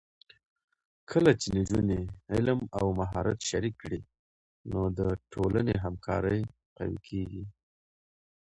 کله چې نجونې علم او مهارت شریک کړي، نو د ټولنې همکاري قوي کېږي.